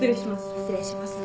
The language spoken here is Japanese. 失礼します。